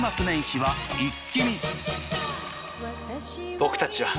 僕たちは。